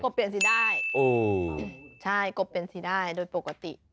ก็เปลี่ยนสีได้โอ้ใช่ก็เปลี่ยนสีได้โดยปกติ